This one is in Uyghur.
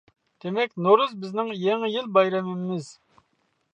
دېمەك، نورۇز بىزنىڭ يېڭى يىل بايرىمىمىز.